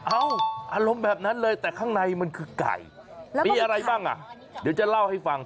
อารมณ์แบบนั้นเลยแต่ข้างในมันคือไก่มีอะไรบ้างอ่ะเดี๋ยวจะเล่าให้ฟัง